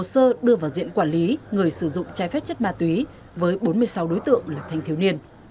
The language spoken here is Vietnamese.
hồ sơ đưa vào diện quản lý người sử dụng trái phép chất ma túy với bốn mươi sáu đối tượng là thanh thiếu niên